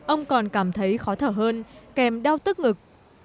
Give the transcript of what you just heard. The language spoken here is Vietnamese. ông còn cảm thấy khó thở hơn kèm đau tức ngực